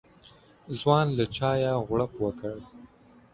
ځوان له چايه غوړپ وکړ.